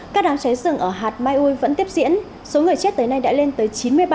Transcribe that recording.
các đám cháy rừng ở hạt mai ui vẫn tiếp diễn số người chết tới nay đã lên tới chín mươi ba